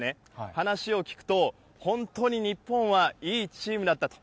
話を聞くと、本当に日本はいいチームだったと。